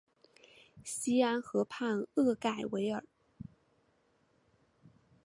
西安河畔厄盖维尔。